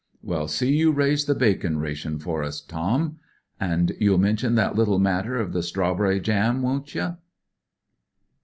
" Well, see you raise the bacon ration for us, Tom." " An' you'll mention that little matter of the strawberry jam, won't ye